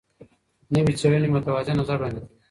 نوې څېړنې متوازن نظر وړاندې کوي.